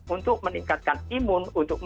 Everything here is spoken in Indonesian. untuk meningkatkan imun untuk